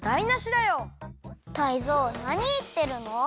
タイゾウなにいってるの？